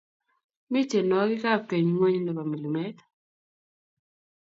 mi tienowik ab keny ngweny nebo milimet